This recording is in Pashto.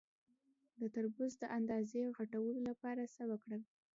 د تربوز د اندازې غټولو لپاره څه وکړم؟